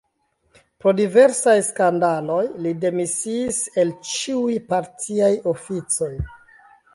Pro diversaj skandaloj li demisiis el ĉiuj partiaj oficoj.